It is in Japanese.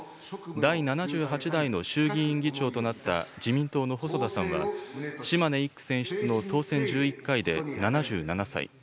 第７８代の衆議院議長となった自民党の細田さんは、島根１区選出の当選１１回で７７歳。